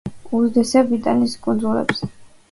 უდიდესია ბრიტანეთის კუნძულებზე.